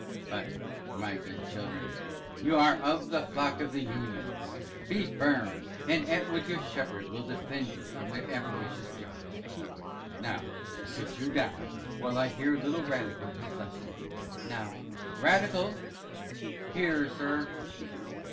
But, my good children, you that are of the flock of the Unions, be firm, and Attwood your Shepherd, will defend you from their avaricious jaws. Now, you sit down, while I hear little Radical his lesson. Now Radical P. Here, sir.